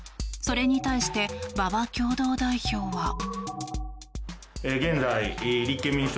それに対して、馬場共同代表は。